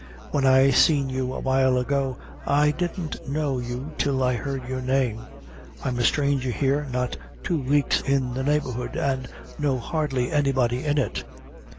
When I seen you awhile ago I didn't know you till I heard your name; I'm a stranger here, not two weeks in the neighborhood, and know hardly anybody in it."